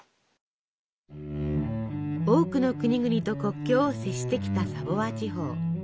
多くの国々と国境を接してきたサヴォワ地方。